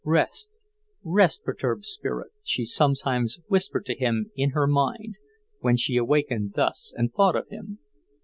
"Rest, rest, perturbed spirit," she sometimes whispered to him in her mind, when she wakened thus and thought of him.